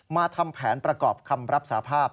มาทำแผนประกอบคำรับสาภาพ